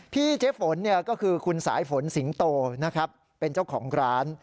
เจ๊ฝนก็คือคุณสายฝนสิงโตนะครับเป็นเจ้าของร้าน